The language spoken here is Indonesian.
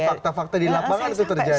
fakta fakta di lapangan itu terjadi